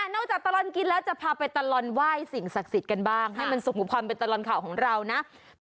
นอกจากตลอดกินแล้วจะพาไปตลอดไหว้สิ่งศักดิ์สิทธิ์กันบ้างให้มันสุขกับความเป็นตลอดข่าวของเรานะ